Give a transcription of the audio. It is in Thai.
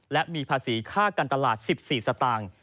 และมีภาษีค่าการตลาด๑๔สตางค์